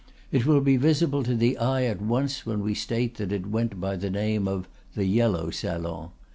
It will be visible to the eye at once when we state that it went by the name of the "yellow salon."